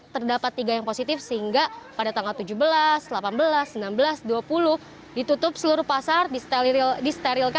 terdapat tiga yang positif sehingga pada tanggal tujuh belas delapan belas sembilan belas dua puluh ditutup seluruh pasar disterilkan